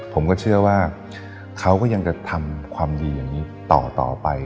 ผมก็เชื่อว่าเขาก็ยังจะทำความดีอย่างนี้ต่อไป